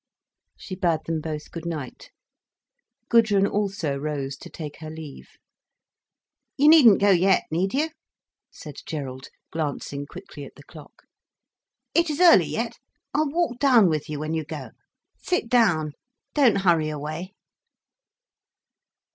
She bade them both good night. Gudrun also rose to take her leave. "You needn't go yet, need you?" said Gerald, glancing quickly at the clock. "It is early yet. I'll walk down with you when you go. Sit down, don't hurry away."